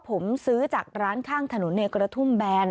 ผมซื้อจากร้านข้างถนนในกระทุ่มแบน